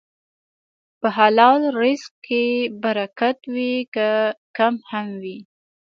په حلال رزق کې برکت وي، که کم هم وي.